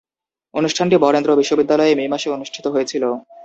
অনুষ্ঠানটি বরেন্দ্র বিশ্ববিদ্যালয়ে মে মাসে অনুষ্ঠিত হয়েছিলো।